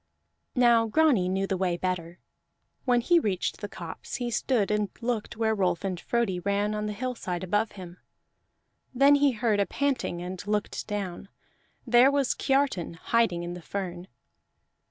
Now Grani knew the way better. When he reached the copse he stood and looked where Rolf and Frodi ran on the hillside above him. Then he heard a panting, and looked down. There was Kiartan hiding in the fern.